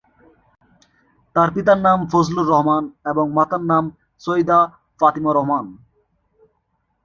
তার পিতার নাম ফজলুর রহমান এবং মাতার নাম সৈয়দা ফাতিমা রহমান।